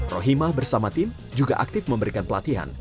rohima bersama tim juga aktif memberikan pelatihan